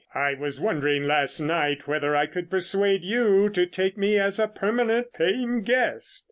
"I was wondering last night whether I could persuade you to take me as a permanent paying guest."